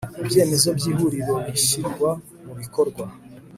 Ibyemezo by Ihuriro bishyirwa mu bikorwa